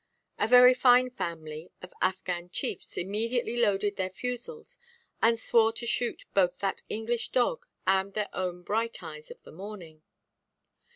A very fine family of Affghan chiefs immediately loaded their fusils, and swore to shoot both that English dog and their own Bright Eyes of the Morning.